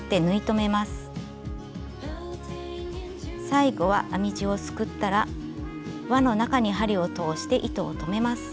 最後は編み地をすくったら輪の中に針を通して糸を留めます。